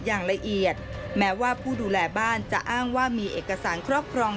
อย่างละเอียดแม้ว่าผู้ดูแลบ้านจะอ้างว่ามีเอกสารครอบครอง